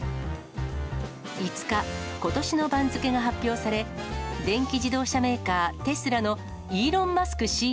５日、ことしの番付が発表され、電気自動車メーカー、テスラのイーロン・マスク